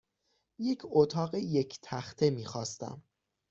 یک اتاق یک تخته میخواستم.